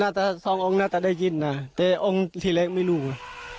น่าจะสององค์น่าจะได้ยินน่ะแต่องค์ทีแรกไม่รู้อ่ะ